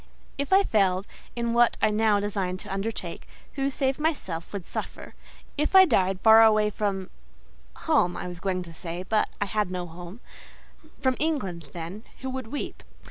If I failed in what I now designed to undertake, who, save myself, would suffer? If I died far away from—home, I was going to say, but I had no home—from England, then, who would weep?